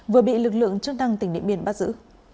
vừa bị lực lượng chức năng tỉnh điện biên bắt giữ